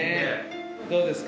どうですか？